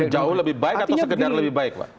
jauh lebih baik atau sekedar lebih baik pak